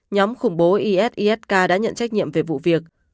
nhóm khủng bố isisk đã nhận trách nhiệm về vụ việc